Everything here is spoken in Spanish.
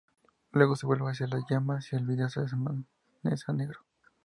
Luego se vuelve hacia las llamas, y el video se desvanece a negro.